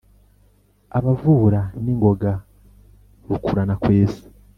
abavura ningoga rukurana-kwesa